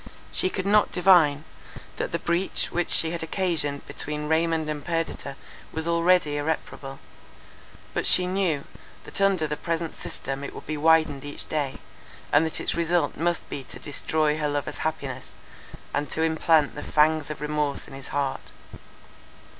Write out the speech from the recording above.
She could not divine, that the breach which she had occasioned between Raymond and Perdita was already irreparable: but she knew, that under the present system it would be widened each day, and that its result must be to destroy her lover's happiness, and to implant the fangs of remorse in his heart.